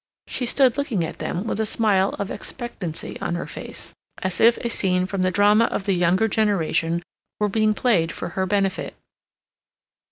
She stood looking at them with a smile of expectancy on her face, as if a scene from the drama of the younger generation were being played for her benefit.